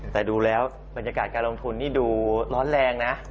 แต่ดูแล้วบรรยากาศการลงทุนนี่ดูร้อนแรงนะ